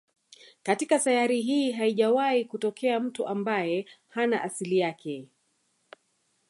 Katika sayari hii haijawahi kutokea mtu ambaye hana asili yake